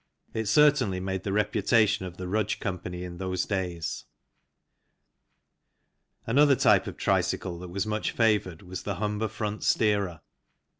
It certainly made the reputation of the Rudge Co. in those days. Another type of tricycle that was much favoured was the Humber front steerer.